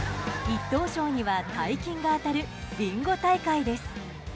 一等賞には大金が当たるビンゴ大会です。